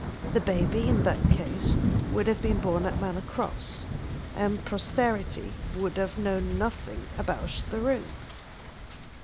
The baby in that case would have been born at Manor Cross, and posterity would know nothing about the room.